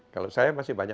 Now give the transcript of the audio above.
kalau saya masih banyak